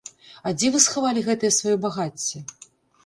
А дзе вы схавалі гэтае сваё багацце?